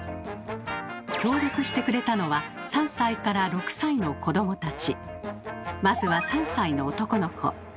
協力してくれたのはまずは３歳の男の子。